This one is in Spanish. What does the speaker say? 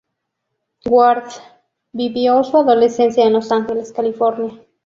Ward vivió su adolescencia en Los Ángeles, California.